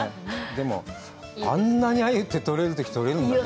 でも、あんなにアユって取れるとき取れるんだね。